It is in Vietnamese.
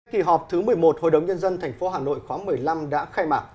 kỳ họp thứ một mươi một hội đồng nhân dân tp hà nội khóa một mươi năm đã khai mạc